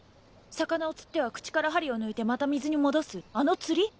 魚を釣っては口から針を抜いてまた水に戻すあの釣り？